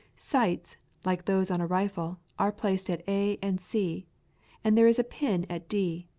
"Sights," like those on a rifle, are placed at A and C, and there is a pin at D.